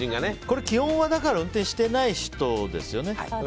基本は運転してない人ですよね。